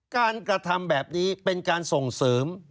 การกระทำแบบนี้เป็นการส่งเสริม